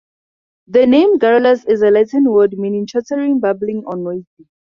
The name "Garrulus" is a Latin word meaning chattering, babbling or noisy.